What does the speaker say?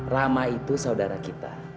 rama itu saudara kita